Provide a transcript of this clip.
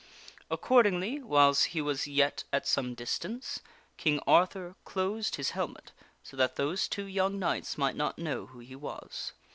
Accordingly, whiles he was yet at some distance, King Arthur closed his helmet so that those two young knights might not know who he was.